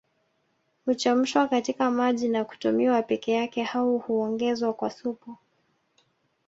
Huchemshwa katika maji na kutumiwa peke yake au huongezwa kwa supu